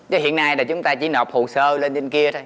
chứ hiện nay là chúng ta chỉ nộp hồ sơ lên bên kia thôi